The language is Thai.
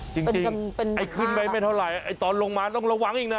จริงไอ้ขึ้นไปไม่เท่าไหร่ไอ้ตอนลงมาต้องระวังอีกนะ